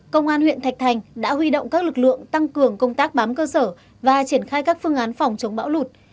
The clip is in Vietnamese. công an huyện thạch thành đã huy động các lực lượng tăng cường công tác bám cơ sở và triển khai các phương án phòng chống bão lụt